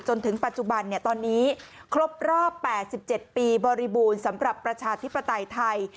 จนถึงปัจจุบันตอนนี้ครบรอบ๘๗ปีบริบูรณ์สำหรับประชาธิปไตยไทย